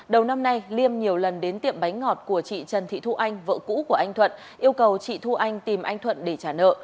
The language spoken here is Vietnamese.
đầu năm nay liêm nhiều lần đến tiệm bánh ngọt của chị trần thị thu anh vợ cũ của anh thuận yêu cầu chị thu anh tìm anh thuận